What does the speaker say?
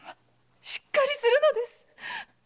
しっかりするのです。